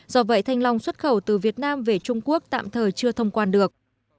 do vậy thanh long xuất khẩu từ việt nam về trung quốc tạm thời chưa thông quan được